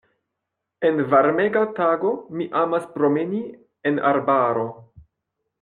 En varmega tago mi amas promeni en arbaro.